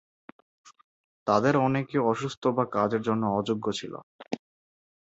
তাদের অনেকে অসুস্থ বা কাজের জন্য অযোগ্য ছিল।